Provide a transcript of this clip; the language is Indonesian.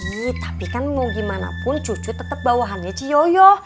nih tapi kan mau gimana pun cucu tetap bawahannya ciyoyo